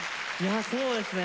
そうですね